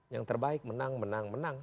yang terbaik menang menang menang menang